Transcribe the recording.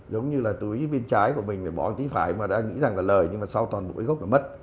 giống như là túi bên trái của mình để bỏ cái tí phải mà đã nghĩ rằng là lời nhưng mà sau toàn bộ gốc là mất